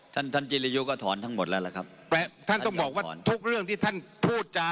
ท่านท่านจิริยุก็ถอนทั้งหมดแล้วล่ะครับท่านต้องบอกว่าทุกเรื่องที่ท่านพูดจา